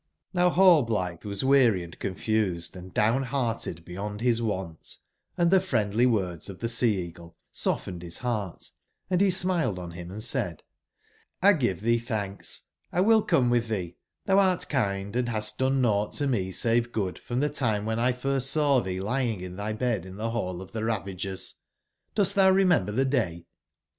lOCQ Rallblitbe was weary and confused, and down/bearted beyond bis wont, & tbe friendly words of tbe Sea/eagle softened bis lOO heart, and be emiled on bim and said: *'l give tbee tbanhs;! will come witb tbee: tbou art kind, & bast done nougbt to me save good from tbe time wben 1 first saw tbee lying in tby bed in tbe Rail of tbe Ravagers. Dost tbou remember tbe day ?"